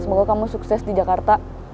semoga kamu sukses di jakarta